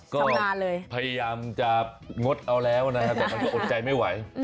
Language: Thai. ก็พยายามจะงดเอาแล้วนะครับแต่มันก็อดใจไม่ไหว